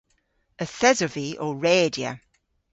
Yth esov vy ow redya.